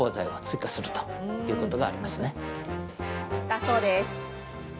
だそうです。